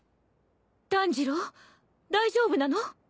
炭治郎大丈夫なの？